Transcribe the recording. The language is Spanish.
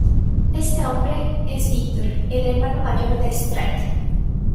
Este hombre, es Victor, el hermano mayor de "Strike".